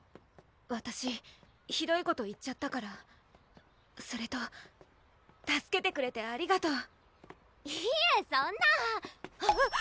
わたしひどいこと言っちゃったからそれと助けてくれてありがとういえそんなはっ！